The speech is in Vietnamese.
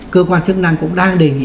cơ quan chức năng cũng đang đề nghị